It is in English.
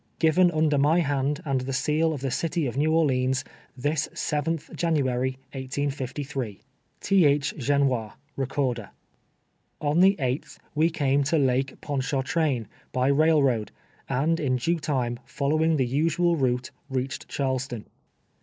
" 6"i\'en under my hand and the seal of the city of New Or leans this 7 th January, 1S53. [l. s.] "TH. GENOIS, Recorder." On the Sth we came to Lake Pontchartrain, by rail road, and, in due time, following the usual route, reached Charleston.